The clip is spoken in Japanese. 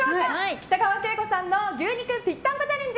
北川景子さんの牛肉ぴったんこチャレンジ